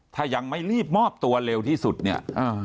ถ้ายังไม่รีบมอบตัวเร็วที่สุดเนี่ย